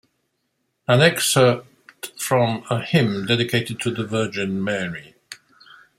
An excerpt from a hymn dedicated to the Virgin Mary.